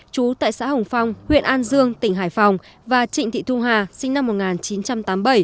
chú tại xã hồng phong huyện an dương tỉnh hải phòng và trịnh thị thu hà sinh năm một nghìn chín trăm tám mươi bảy